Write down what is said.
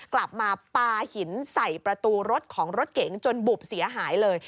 กลับมาปลาหินใส่ประตูรถของรถเก๋งจนบุบเสียหายเลย